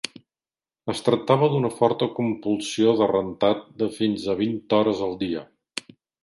Es tractava d'una forta compulsió de rentat, de fins a vint hores al dia.